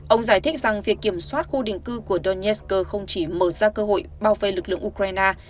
ông giải thích rằng việc kiểm soát khu định cư của donesker không chỉ mở ra cơ hội bao vây lực lượng ukraine